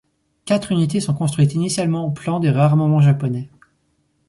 Quatre unités sont construites initialement au plan de réarmement japonais.